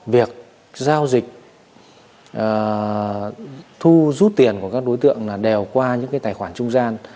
việc giao dịch thu rút tiền của các đối tượng là đèo qua những cái tài khoản trung gian